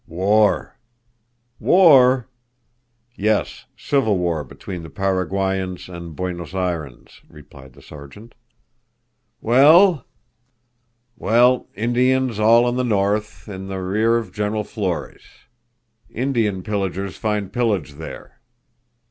"War." "War?" "Yes, civil war between the Paraguayans and Buenos Ayriens," replied the Sergeant. "Well?" "Well, Indians all in the north, in the rear of General Flores. Indian pillagers find pillage there."